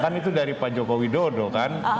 kan itu dari pak jokowi dodo kan